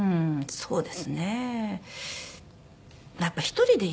そうです。